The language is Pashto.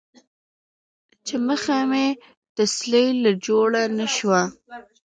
چې خله مې تسلۍ له جوړه نۀ شوه ـ